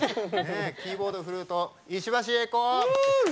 キーボード、フルート石橋英子。